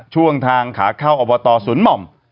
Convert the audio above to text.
ช่วงทางขาเข้าอบตศูนย์หม่อม